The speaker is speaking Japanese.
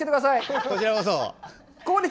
こちらこそ。